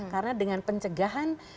karena dengan pencegahan